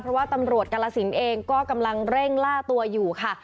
เพราะว่าตำรวจกาลสินเองก็กำลังเร่งล่าตัวอยู่ค่ะ